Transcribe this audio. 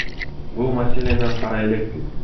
Бул маселени карай элекпиз.